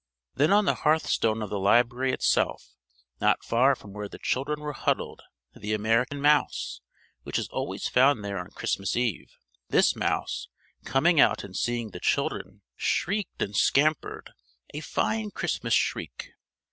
Then on the hearthstone of the library itself not far from where the children were huddled the American mouse which is always found there on Christmas Eve this mouse, coming out and seeing the children, shrieked and scampered a fine Christmas shriek!